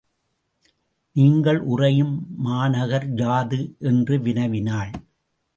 நீங்கள் உறையும் மாநகர் யாது என்று வினவினாள்.